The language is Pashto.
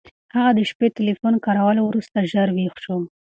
هغه د شپې ټیلیفون کارولو وروسته ژر ویښ شو.